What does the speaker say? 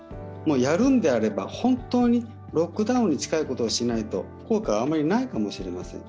やるんであれば本当にロックダウンに近いことをしないと効果はあまりないかもしれません。